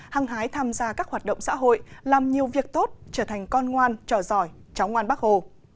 hăng hái tham gia các hoạt động xã hội làm nhiều việc tốt trở thành con ngoan trò giỏi cháu ngoan bác hồ